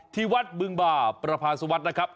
ที่วัดบึงบาประภาสวัตรนะครับ